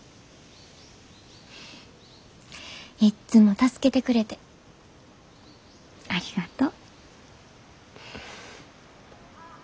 いっつも助けてくれてありがとう。